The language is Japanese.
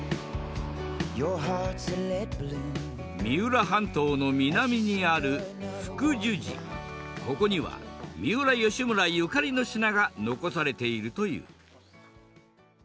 三浦半島の南にあるここには三浦義村ゆかりの品が残されているという。